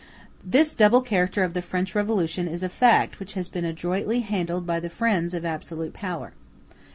This double character of the French Revolution is a fact which has been adroitly handled by the friends of absolute power.